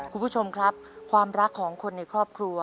คุณผู้ชมครับความรักของคนในครอบครัว